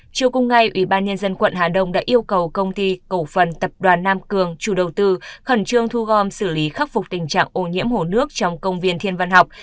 chiều cùng ngày ủy ban nhân dân quận hà đông đã yêu cầu công ty cổ phần tập đoàn nam cường chủ đầu tư khẩn trương thu gom xử lý khắc phục tình trạng ô nhiễm hồ nước trong công viên thiên văn học